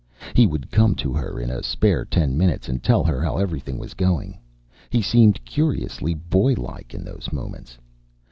He would come to her in a spare ten minutes, and tell her how everything was going. He seemed curiously boylike in those moments.